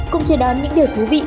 cùng truyền đoán những điều thú vị